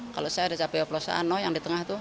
kalau saya ada cabai wapelosa yang di tengah itu